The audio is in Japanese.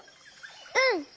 うん！